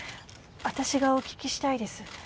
私がお聞きしたいです。